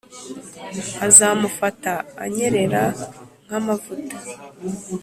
azamufata anyerera nk’amavuta